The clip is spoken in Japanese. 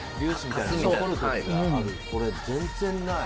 これ全然ない！